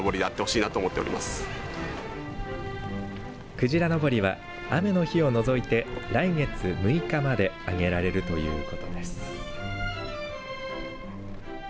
くじらのぼりは雨の日を除いて来月６日まで揚げられるということです。